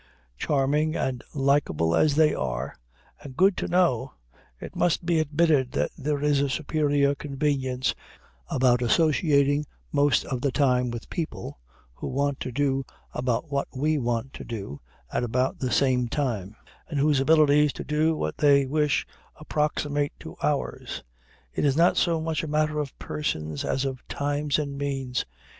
Charming and likeable as they are, and good to know, it must be admitted that there is a superior convenience about associating most of the time with people who want to do about what we want to do at about the same time, and whose abilities to do what they wish approximate to ours. It is not so much a matter of persons as of times and means.